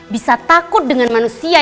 bisa takut dengan manusia